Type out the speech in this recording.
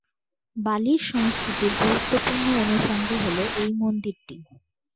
বালির সংস্কৃতির গুরুত্বপূর্ণ অনুষঙ্গ হল এই মন্দিরটি।